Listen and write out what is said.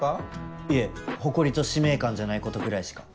いえ誇りと使命感じゃないことぐらいしか。